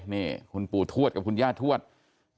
นี่คุณปู่ทั่วทั้งคู่กับคุณย่าทั่วทั้งสองท่าน